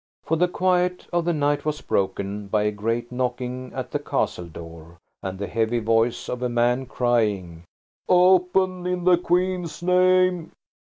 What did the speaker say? For the quiet of the night was broken by a great knocking at the castle door and the heavy voice of a man crying– "Open, in the Queen's name!"